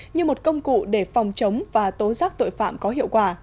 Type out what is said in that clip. như một công cụ để phòng chống và tố giác tội phạm có hiệu quả